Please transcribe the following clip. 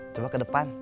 coba ke depan